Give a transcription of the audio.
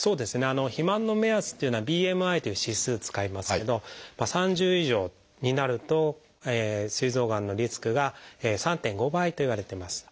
肥満の目安というのは「ＢＭＩ」という指数使いますけど３０以上になるとすい臓がんのリスクが３．５倍といわれてます。